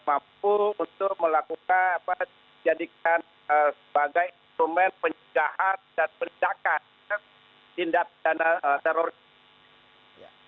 mampu untuk melakukan dijadikan sebagai instrumen penjahat dan penjahat tindak dan terorisme